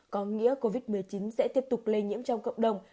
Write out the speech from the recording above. có nghĩa covid một mươi chín sẽ tiếp tục lây nhiễm trong cộng đồng